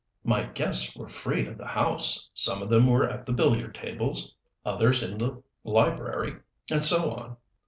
"My guests were free of the house some of them were at the billiard tables, others in the library, and so on.